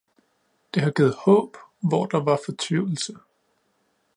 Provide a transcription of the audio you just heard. Det har givet håb, hvor der var fortvivlelse.